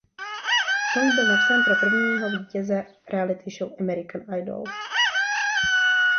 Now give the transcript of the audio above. Song byl napsán pro prvního vítěze reality show American Idol.